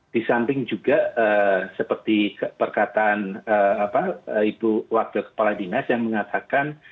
di samping juga seperti perkataan ibu wakil kepala dinas yang mengatakan